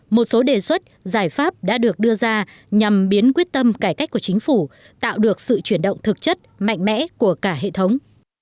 một số đề xuất giải pháp đã được đưa ra nhằm biến quyết tâm cải cách của chính phủ tạo được sự chuyển động thực chất mạnh mẽ của cả hệ thống